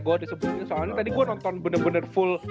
gue udah sebutin soalnya tadi gue nonton bener bener full